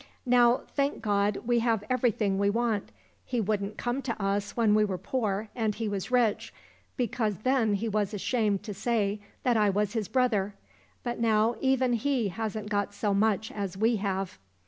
" Now, thank God, we have everything we want. He wouldn't come to us when we were poor and he was rich, because then he was ashamed to say that I was his brother, but now even he hasn't got so much as we have."